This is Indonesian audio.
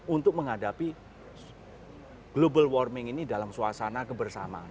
untuk menghadapi global warming ini dalam suasana kebersamaan